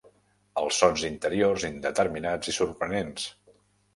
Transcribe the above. Els sons interiors indeterminats i sorprenents.